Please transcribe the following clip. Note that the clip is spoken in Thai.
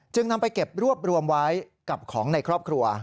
นำไปเก็บรวบรวมไว้กับของในครอบครัว